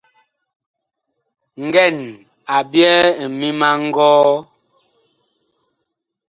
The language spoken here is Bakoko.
Ngɛn, a ɓyɛɛ ŋmim a ngɔɔ.